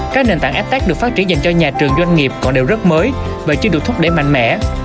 các nền tảng fta được phát triển dành cho nhà trường doanh nghiệp còn đều rất mới và chưa được thúc đẩy mạnh mẽ